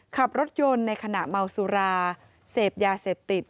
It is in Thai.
ขับรถยนต์ในขณะเมาสุราเสพยาเสพติด